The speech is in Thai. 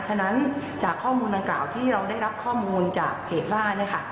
ฉะนั้นจากข้อมูลดังกล่าวที่เราได้รับข้อมูลจากเพจล่านะคะ